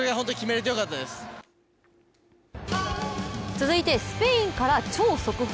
続いてスペインから超速報。